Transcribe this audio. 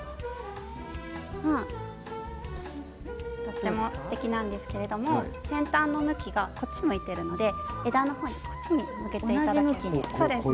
とてもすてきなんですけれど先端の向きがこっち側に向いているので枝の側に向けていただきたいです。